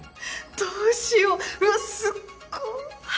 どうしよううわすっご。